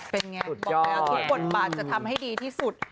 เป็นไงบอกแล้วทุกบทบาทจะทำให้ดีที่สุด